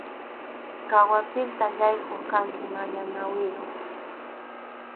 Kwartilta yaykuq kanki mana ñawiyuq.